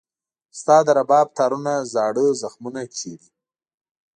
ستا د رباب تارونه زاړه زخمونه چېړي.